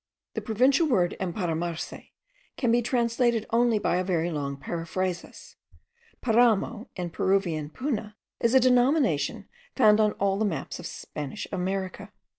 The provincial word emparamarse can be translated only by a very long periphrasis. Paramo, in Peruvian puna, is a denomination found on all the maps of Spanish America.